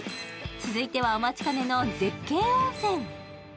続いてはお待ちかねの絶景温泉。